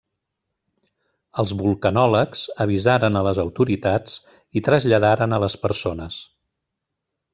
Els vulcanòlegs avisaren a les autoritats i traslladaren a les persones.